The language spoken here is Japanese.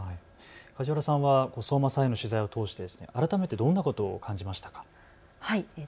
梶原さんは相馬さんへの取材を通して改めてどんなことを感じましたか。